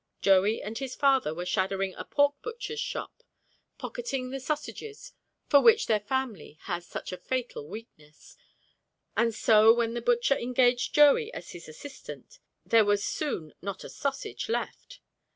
Joey and his father were shadowing a pork butcher's shop, pocketing the sausages for which their family has such a fatal weakness, and so when the butcher engaged Joey as his assistant there was soon not a sausage left.